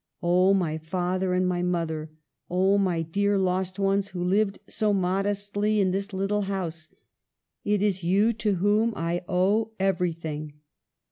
"Oh! my father and my mother! oh! my dear lost ones, who lived so modestly in this little house, it is you to whom I owe every thing!